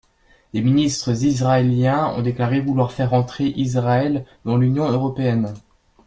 Des ministres israéliens ont déclaré vouloir faire entrer Israël dans l'Union européenne.